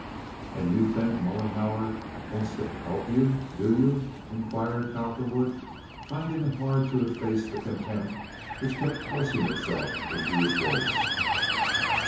"And you think Mollenhauer wants to help you, do you?" inquired Cowperwood, finding it hard to efface the contempt which kept forcing itself into his voice.